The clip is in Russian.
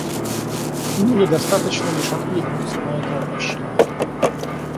Но недостаточно лишь откликнуться на это обращение.